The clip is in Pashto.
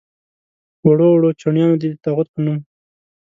وړو وړو چڼیانو دې د طاغوت په نوم.